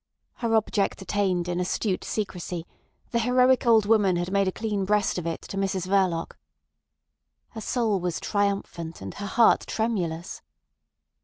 Her object attained in astute secrecy, the heroic old woman had made a clean breast of it to Mrs Verloc. Her soul was triumphant and her heart tremulous.